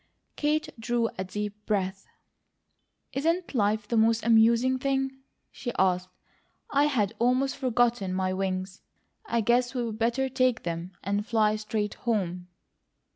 Kate drew a deep breath. "Isn't life the most amusing thing?" she asked. "I had almost forgotten my wings. I guess we'd better take them, and fly straight home."